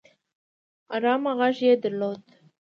ارامه غږ يې درلود